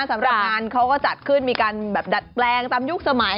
สำหรับงานเขาก็จัดขึ้นมีการแบบดัดแปลงตามยุคสมัย